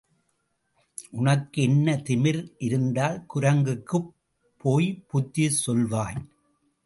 உனக்கு என்ன திமிர் இருந்தால் குரங்குக்குப் போய் புத்தி சொல்வாய்?